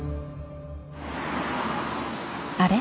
あれ？